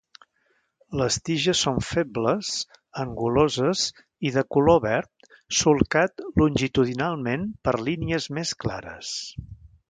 Les tiges són febles, anguloses i de color verd solcat longitudinalment per línies més clares.